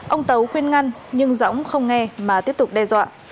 ông tấu khuyên ngăn nhưng dõng không nghe mà tiếp tục đe dọa